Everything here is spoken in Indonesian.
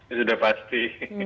itu sudah pasti